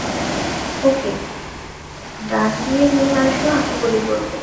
ওকে ডান দিকে নিয়ে আসো আমি গুলি করব।